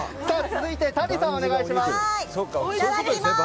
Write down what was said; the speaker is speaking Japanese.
続いて谷さんお願いします。